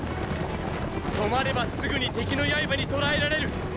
止まればすぐに敵の刃に捕らえられる。